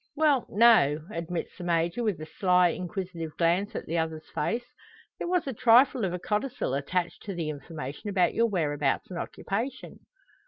"Well, no;" admits the Major, with a sly, inquisitive glance at the other's face. "There was a trifle of a codicil added to the information about your whereabouts and occupation."